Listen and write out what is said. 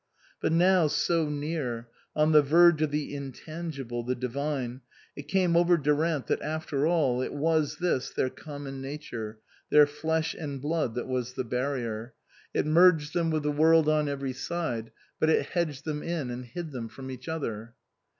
But now, so near, on the verge of the intangible, the divine, it came over Durant that after all it was this their common nature, their flesh and blood, that was the barrier ; it merged them 174 OUTWARD BOUND with the world on every side, but it hedged them in and hid them from each other.